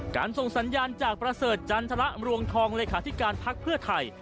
ส่งสัญญาณจากประเสริฐจันทรรวงทองเลขาธิการพักเพื่อไทย